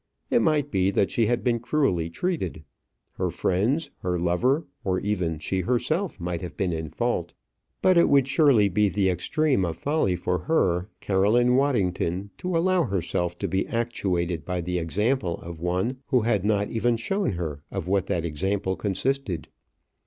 It might be that she had been cruelly treated. Her friends, her lover, or even she herself might have been in fault. But it would surely be the extreme of folly for her, Caroline Waddington, to allow herself to be actuated by the example of one who had not even shown her of what that example consisted.